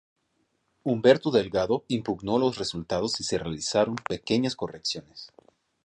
Humberto Delgado impugnó los resultados y se realizaron pequeñas correcciones.